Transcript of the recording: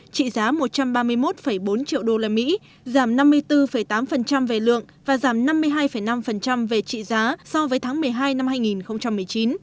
trị giá một trăm ba mươi một bốn triệu usd giảm năm mươi bốn tám về lượng và giảm năm mươi hai năm về trị giá so với tháng một mươi hai năm hai nghìn một mươi chín